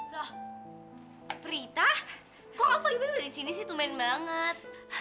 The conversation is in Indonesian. loh prita kok apa ibu ibu disini sih tumen banget